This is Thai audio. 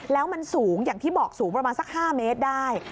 แล้วมันสูงอย่างที่บอกสูงประมาณสัก๕เมตรได้